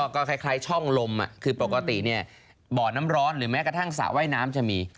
ก็คล้ายช่องลมคือปกติเนี่ยบ่อน้ำร้อนหรือแม้กระทั่งสระว่ายน้ำจะมี